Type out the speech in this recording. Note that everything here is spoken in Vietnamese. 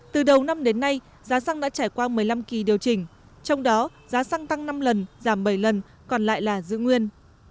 từ đầu năm đến nay giá xăng đã trải qua một mươi năm kỳ điều chỉnh trong đó giá xăng tăng năm lần giảm bảy lần còn lại là giữ nguyên